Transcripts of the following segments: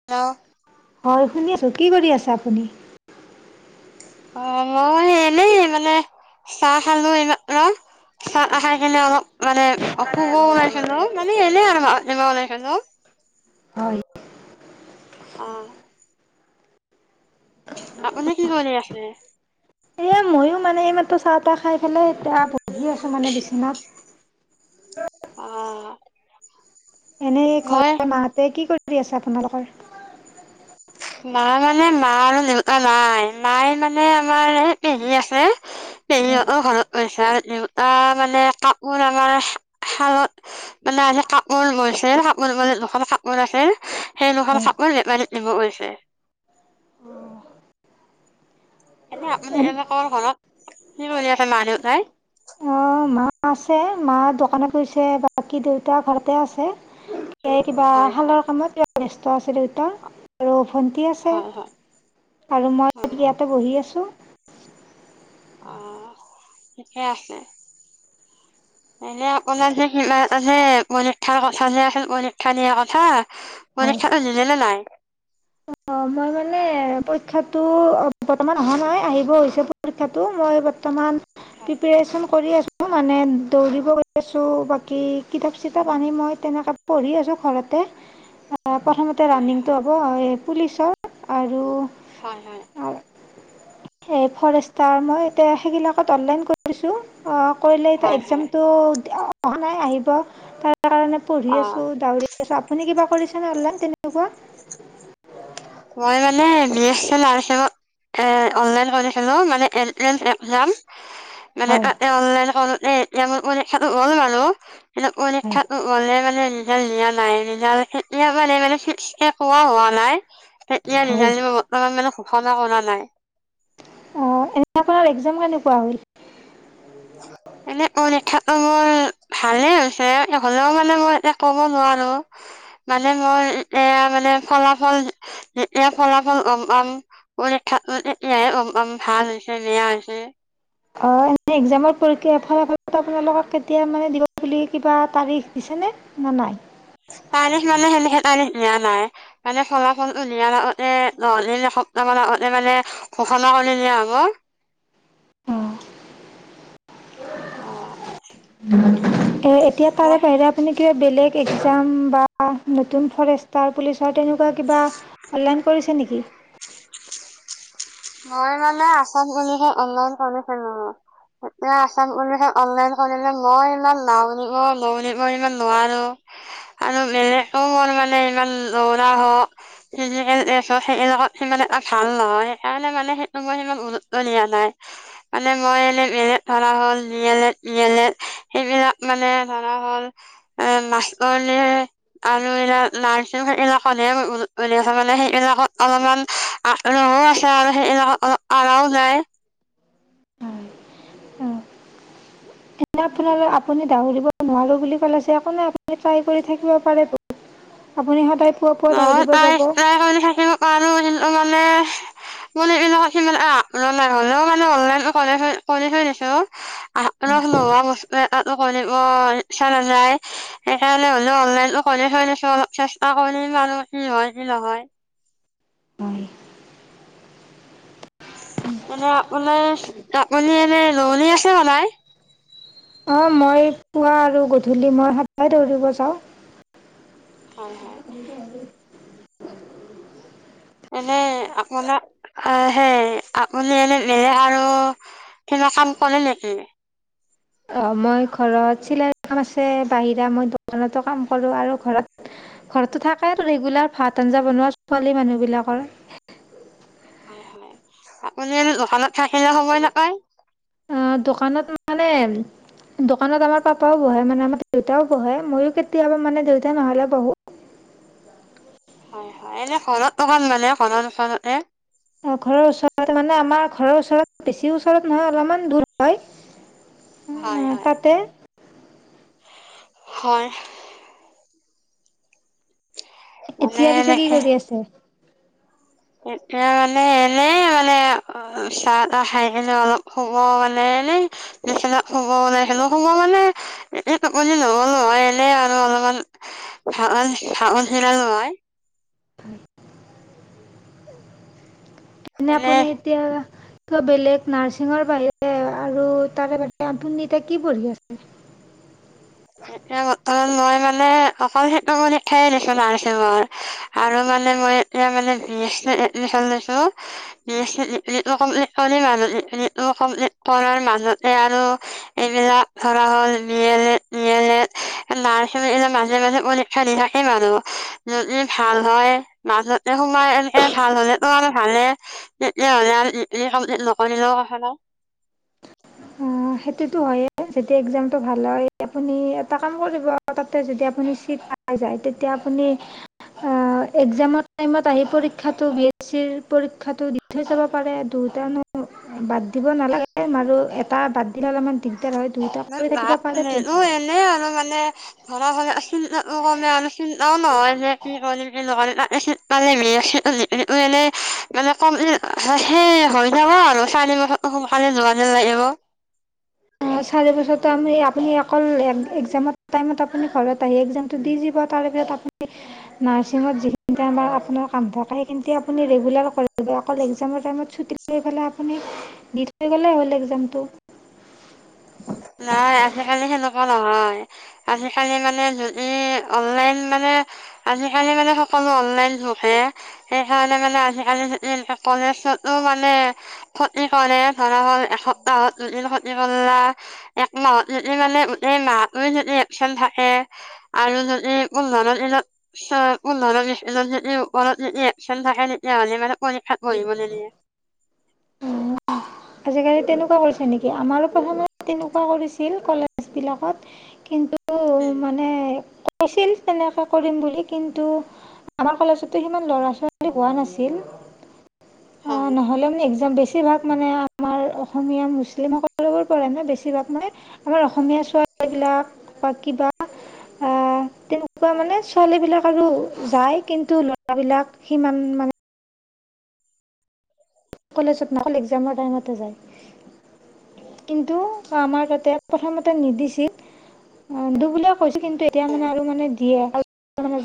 [unintelligible] হয় শুনি আছোঁ কি কৰি আছে আপুনি অ মই এনেই মানে চাহ খালো এই মাত্ৰ চাহ খাই কেনে অলপ মানে অশুভ ওলাইছিলো মানে এনে আৰু [unintelligible] লাইছিলো হয় অ আপুনি কি কৰি আছে? ময়ো মানে এই মাত্ৰ চাহ তাহ খাই পেলাই এতিয়া বহি আছোঁ মানে বিচনাত অ এনেই মই ঘৰ মাহঁতে কি কৰি আছে আপোনালোকৰ মা মানে মা আৰু দেউতা নাই মাই মানে আমাৰ এই পেহী আছে পেহীহঁতৰ ঘৰত গৈছে আৰু দেউতা মানে কাপোৰ আমাৰ শালত [unintelligible] [unintelligible] এনেই এ আপোনাৰ ঘৰত কি কৰি আছে মা দেউতাই অ মা আছে মা দোকানত গৈছে বাকী দেউতা ঘৰতে আছে এই কিবা হয় হয় শালৰ কামত ব্যস্ত আছে দেউতাৰ আৰু ভণ্টি আছ ছে হয় হয় আৰু অ মই ইয়াতে বহি আছোঁ অ ঠিকে আছে এনে আপোনাৰ [unintelligible] পৰীক্ষাৰ কথা যে আছিল পৰীক্ষা দিয়াৰ কথা হয় পৰিক্ষাটো দিলে নে নাই অ মই মানে পৰীক্ষাতো বৰ্তমান অহা নহয় আহিব হৈছে পৰিক্ষাটো মই বৰ্তমান হয় প্ৰেপেৰেচন কৰি‌ আছ মানে দৌৰিব [unintelligible] আছোঁ, বাকী কিতাপ চিতাপ আনি মই তেনেকা পঢ়ি আছোঁ ঘৰতে। অ', প্ৰথমতে হয় ৰানিংটো হয় হ'ব, এই পুলিচৰ আৰু হয়- হয়। [unintelligible] এই ফৰেষ্টৰ মই এতিয়া সেইবিলাকত অনলাইন কৰি কৰিছোঁ, অ', কৰিলে এতিয়া হয় হয় এক্সামটো অহা নাই আহিব, তাৰ কাৰণে অ পঢ়ি আছোঁ দাউৰি আছোঁ, আপুনি কিবা কৰিছেনে অনলাইন তেনেকুৱা। মই মানে বি এ চি নাৰ্চিংত এ অনলাইন কৰিছিলোঁ মানে এন্ত্ৰেচ এক্সাম। [unintelligible] [unintelligible] মানে হয় ৰিজাল্ট হয় দিয়া নাই, ৰিজাল্ট [unintelligible] নাই, তেতিয়া হয় [unintelligible] বৰ্তমান মানে ঘোষণা কৰা নাই। অ', [unintelligible] এক্সাম কেনেকুৱা হ'ল। এনে পৰীক্ষাটো মই ভালেই হৈছে, হ'লেও মানে মই এতিয়া ক'ব নোৱাৰো। মানে মই এতিয়া মানে ফলাফল, যেতিয়া ফলাফল গম পাম পৰীক্ষা [unintelligible] ভাল হৈছে, বেয়া হৈছে। অ', এনে এক্সামত পৰীক্ষা [unintelligible] আপোনালোকক কেতিয়া মানে দিব বুলি কিবা তাৰিখ দিছেনে। নে নাই। তাৰিখ মানে সেনে সেইকাৰণে দিয়া নাই। মানে ফলাফলটো দিয়াৰ আগতে [unintelligible] এসপ্তাহ আগতে মানে ঘোষণা কৰিলে [unintelligible] উম। এ এতিয়া মই তাৰে বাহিৰে আপুনি কিবা বেলেগ এক্সাম বা নতুন ফৰেষ্টাৰ পুলিচৰ তেনে [unintelligible] কিবা অনলাইন কৰিছে নেকি। মই মানে আচাম পুলিচত অনলাইন কৰিছিলো। এতিয়া আচাম পুলিচত অনলাইন কৰিলে মই ইমান [unintelligible] ইমান নোৱাৰো। আৰু [unintelligible] মোৰ মানে ইমান দৌৰা হওঁক, ফিজিকেল [unintelligible] সেইবিলাকত সিমান এটা ভাল নহয়। সেইকাৰণে মানে সেইটো মই সিমান গুৰুত্ব দিয়া নাই। মানে মই এনে [unintelligible] ধৰা হ'ল [unintelligible] সেইবিলাক মানে ধৰা হ'ল, এ [unintelligible] আৰু এইবিলাক [unintelligible] এইবিলাক হ'লে [unintelligible] মানে সেইবিলাকত অলপমান [unintelligible] [unintelligible] অ', [inaudible] এনে আপোনা [unintelligible] আপুনি দাওৰিব নোৱাৰোঁ বুলি ক'লে যে, একো নাই আপুনি ট্ৰাই কৰি থাকিব পাৰে বহুত আপুনি সদায় নহয় যাব। [unintelligible] মানে [unintelligible] এইবিলাকত সিমান [unintelligible] হ'লেও মানে অনলাইনটো কৰা কৰি থৈ দিছো। [unintelligible] [unintelligible] কৰিব ইচ্ছা নাযায়, সেইকাৰণে হ'লেও অনলাইনতো কৰি থৈ দিছোঁ, অলপ চেষ্টা [unintelligible] কি হয়, কি নহয়। হয়। এনে আপোনাৰ, আপুনি এনে দৌৰি আছে নে নাই। অ', মই পুৱা আৰু গধূলি মই সদায় দৌৰিব যাওঁ। হয়, হয়। [unintelligible] এনেই, আপোনাৰ আহ সেই আপুনি [unintelligible] তেনে কাম কৰে নেকি! অ, মই ঘৰত চিলাই কাম আছে, বাহিৰা মই দোকানতো কাম কৰোঁ, আৰু ঘৰত ঘৰততো থাকে আৰু ৰেগুলাৰ ভাত-আঞ্জা বনোৱা ছোৱালী মানুহবিলাকৰ। হয়, হয়। আপুনি দোকানত থাকিলে সময় নাপয়। অ, দোকানত মানে দোকানত আমাৰ পাপাও বহে, মানে আমাৰ দেউতাও বহে, মইও কেতিয়াবা মানে দেউতা নহ'লে বহো। হয়, হয়, এনে ঘৰত দোকান মানে, ঘৰৰ দোকানতে। অ, ঘৰৰ ওচৰত, মানে আমাৰ ঘৰৰ ওচৰত, বেছি ওচৰত নহয় অলপমান দূৰ হয়। অ হয়, হয়। তাতে হয়। মানে এতিয়া পিছে কি এনেকে কৰি আছে? এতিয়া, মানে এনে মানে চাহ-তাহ খাই কিনে, অলপ শুব মানে এনে। [unintelligible] [unintelligible] এনেই এনে আপুনি এতিয়া কিবা বেলেগ নাৰ্ছিঙৰ বাহিৰে আৰু তাৰে বাহিৰে আপুনি এতিয়া কি পঢ়ি আছে? এয়া বৰ্তমান মই মানে অকল সেইটো পৰীক্ষাই দি লছো নাৰ্চিংৰ আৰু মানে মই এতিয়া মানে [unintelligible] লৈছোঁ। [unintelligible] এইবিলাক ধৰা হ'ল, বিয়েলেত-দিয়েলেত [unintelligible] মাজে-মাজে পৰীক্ষা দি থাকিম আৰু, যদি ভাল হয় মাজতে সোমাই এনেকে, ভাল হ'লেতো আৰু ভালে। তেতিয়া হ'লে আৰু ডিগ্ৰী কম্পিলত নকৰিলেও কথা নাই। অ, সেইটোতো হয়েই, যদি এক্সামটো ভাল হয়, আপুনি এটা কাম কৰিব তাতে যদি আপুনি চিট পাই যায়, তেতিয়া আপুনি এক্সমৰ টাইমত আহি পৰীক্ষাটো বিএছ চিৰ পৰীক্ষাটো থৈ যাব পাৰে, দুয়টানো বাদ দিব নালাগে, আৰু এটা বাদ দিলে অলপমান দিগদাৰ হয়। দুয়োটা কৰি থাকিব পাৰেতো [unintelligible] [unintelligible] [unintelligible] [unintelligible] সোনকালে যোৱাযেন লাগিব। অ, চাৰি বছৰো আমি আপুনি অকল একজামৰ টাইমত আপুনি ঘৰত আহি এক্জামতটো দি দিব। তাৰে ভিতৰত আপুনি [unintelligible] গৈ পেলাই আপুনি দি থৈ গ'লেই হ'ল এক্জামটো। নাই, আজিকালি সেনেকুৱা নহয়। আজিকালি মানে যদি অনলাইন মানে আজিকালি মানে সকলো অনলাইন [unintelligible] সেইকাৰণে মানে আজিকালি [unintelligible] কলেজতো মানে ক্ষতি কৰে, ধৰা হল এসপ্তাহত দুদিন ক্ষতি কৰলা। এক মাহত যদি মানে গোটেই মাহটোৱে যদি একচন থাকে। [unintelligible] [unintelligible] থাকে তেতিয়াহ'লে মানে পৰীক্ষা কৰিবলৈ দিয়ে। [inaudible] আজিকালি তেনেকুৱা কৰিছে নেকি? আমাৰো প্ৰথমত তেনেকুৱা কৰিছিল কলেজ বিলাকত। কিন্তু উম মানে কৈছিল তেনেকে কৰিম বুলি কিন্তু আমা কলেজতো সিমান ল'ৰা ছোৱালী হোৱা নাছিল। অ' হয় নহ'লেও মানে এক্সাম বেছ বেছিভাগ মানে আমাৰ অসমীয়া মুছলিম সকলোবোৰ পঢ়ে নহ বেছিভাগ মানে। আমাৰ অসমীয়া ছোৱালী বিলাক বা কিবা। আহ [inaudible] তেনেকুৱা মানে ছোৱালী বিলাক আৰু যায় কিন্তু ল'ৰা বিলাক সিমান মানে। কলেজত অকল এক্সামৰ টাইমত হে যায়। কিন্তু আমাৰ তাতে প্ৰথমতে নিদিছিল। অ' নিদিও বুলিয়েই কৈছে কিন্তু এতিয়া মানে আৰু মানে দিয়ে।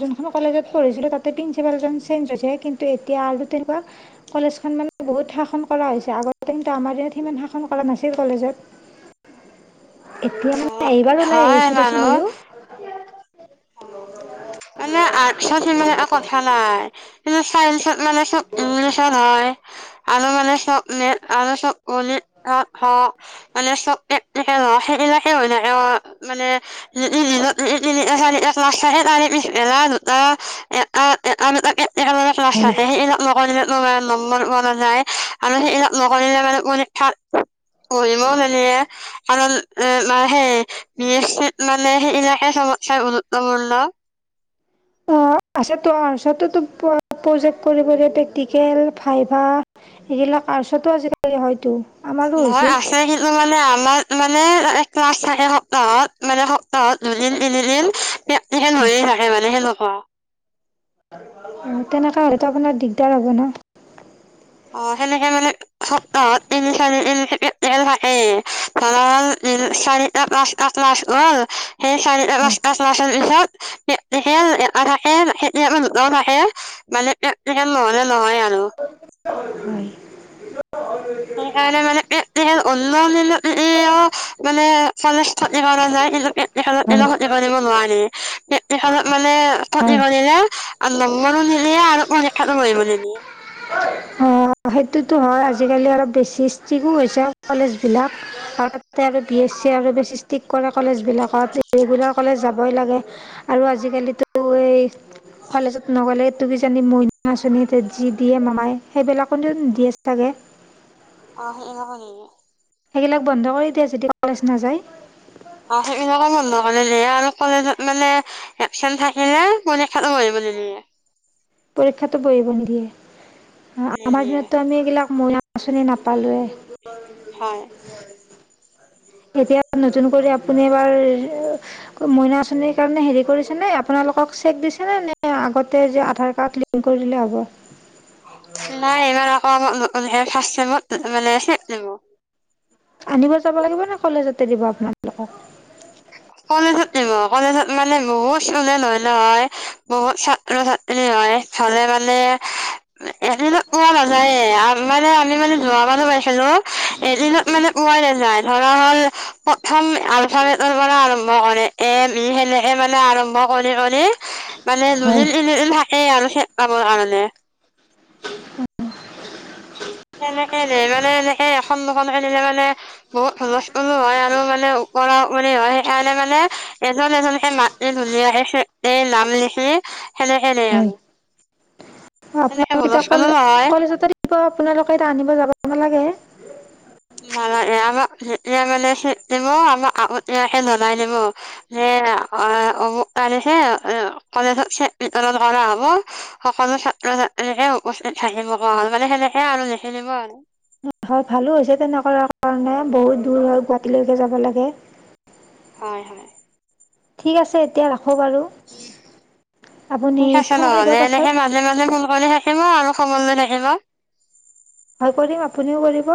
যোনখন কলেজত পঢ়িছিলো তাতে প্ৰিন্সিপালজন চেঞ্জ হৈছে, কিন্তু এতিয়া আৰু তেনেকুৱা কলেজখন মানে বহুত শাসন কৰা হৈছে আগতে কিন্তু আমাৰ ইয়াত সিমান শাসন কৰা নাছিল কলেজত। এতিয়া মানে হয় এইবাৰ ওলাই হয় আহিছো দেচোন মইও। মানুহ [unintelligible] কিন্তু চাইন্সত মানে চব ইংলিছত হয়। [unintelligible] [unintelligible] [unintelligible] হয় [unintelligible] [unintelligible] [unintelligible] [unintelligible] অ 'আছে ত' আৰ্টচতো প্ৰজেক্ট কৰিব দিয়ে প্ৰেক্টিকেল ভাইভা। এইবিলাক আর্টচতো আজিকালি হয়তো। আমাৰো হৈছিল [unintelligible] [unintelligible] [unintelligible] [unintelligible] অ' তেনেকা হ'লেতো আপোনাৰ দিগদাৰ হ'ব নহ। [unintelligible] [unintelligible] হয় [unintelligible] [unintelligible] [unintelligible] [unintelligible] হয় [unintelligible] হয় হয় [unintelligible] [unintelligible] অ' সেইটোতো হয় আজিকালি অলপ বেছি ষ্ট্ৰিকো হৈছে কলেজবিলাক। আৰু তাতে আৰু বি এছ চি আৰু বেছি ষ্টিক কৰা কলেজবিলাকত ৰেগুলাৰ কলেজ যাবই লাগে। আৰু আজিকালিতো এই কলেজত নগ'লে তো কিজানি মইনা আঁচনী তে যি দিয়ে মামাই সেইবিলাকতো দিয়ে চাগে। অ [unintelligible] সেইগিলাক বন্ধ কৰি দিয়ে যদি কলেজ নাযায়। অ সেইবিলাকে বন্ধ কৰি দিয়ে, আৰু কলেজত মানে এপচেন্ত থাকিলে, পৰীক্ষাটো বহিব নিদিয়ে। পৰীক্ষাটো বহিব নিদিয়ে, আমাৰ নিদিয়ে দিনতটো আমি এইবিলাক মইনা আঁচনি নাপালোৱেই। হয়। এতিয়া নতুন কৰি আপুনি এবাৰ মইনা আঁচনি কাৰণে হেৰি কৰিছে নে আপোনালোকক চেক দিছে নে? নে আগতে যে আধাৰ কাৰ্ড লিংক কৰি দিলে হ'ব? নাই ইমান অক [unintelligible] সেইয়া ফাৰ্ষ্ট ছেমত মানে চেক দিব। আনিব যাব লাগিব নে কলেজতে দিব আপোনাক? [unintelligible] কলেজত দিব, কলেজত মানে বহুত ষ্টুডেণ্ট হয় নহয় বহুত ছাত্ ছাত্ৰ ছাত্ৰী হয় চলে মানে ইহঁতি কোৱা নাযায়ে আ মানে আমি মানে লোৱ মানো পাইছিলো এদিনত মানে পোৱাই নাযায় ধৰা হ'ল প্ৰথম আলফা [unintelligible] আৰম্ভ কৰে, এ ই হেনে এ মানে আৰম্ভ কৰি কৰি মানে হয় লুলি [unintelligible] সেই আৰু সে পাবৰ কাৰণে। সেনেকে নে মানে এনেকে এখন দুখনকে নিলে মানে বহুত হুলস্থুলো হয়, আৰু মানে ওপৰা উপৰি হয়, সেইকাৰণে মানে এজন এজনকে মাত এ ধুনীয়া এ এ নাম লিখি সেনেকে নিয়ে মানে। অ আপোনালোক এতিয়া হুলস্থুলো কলে নহয় কলেজতে দিব আপোনালোকে এতিয়া আনিব যাব নালাগে? নালাগে, আমাক হিহঁতিয়ে মানে চেক দিব, আগতীয়াকে জনাই দিব। যে অ অমুক তাৰিখে কলেজত চেক ভিতৰত কৰা হ'ব [unintelligible] সকলো ছাত্ৰ ছাত্ৰীকে উপস্থিত থাকিব কোৱা হল মানে সেনেকে আৰু লিখি দিব আৰু। হয় ভালো হৈছে তেনেকুৱাৰ কাৰণে বহুত দূৰ হয় গুৱাহাটীলৈকে যাব লাগে। হয় হয়। ঠিক আছে এতিয়া ৰাখোঁ বাৰু, আপুনি ঠিক আছে ফোন কৰিব নহ'লে এনেকে পাছত। মাজে মাজে ফোন কৰি থাকিব আৰু খবৰ লৈ থাকিব। হয় কৰিম আপুনিও কৰিব।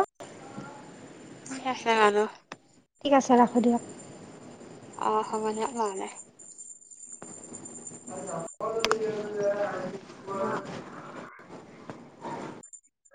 [unintelligible] ঠিক আছে ৰাখো দিয়ক। অ হব দিয়ক নহলে। [unintelligible]